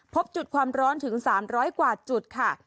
พบจุดความร้อนถึง๓๐๐กว่าจุดค่ะ